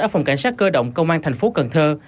ở phòng cảnh sát cơ động công an thành phố cần thơ